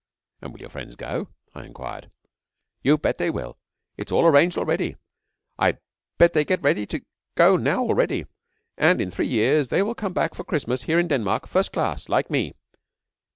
'And will your friends go?' I inquired. 'You bet they will. It is all arranged already. I bet they get ready to go now already; and in three years they will come back for Christmas here in Denmark, first class like me.'